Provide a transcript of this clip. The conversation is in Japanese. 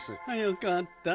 よかった。